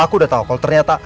aku udah tahu kalau ternyata